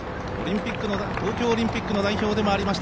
東京オリンピックの代表でもありました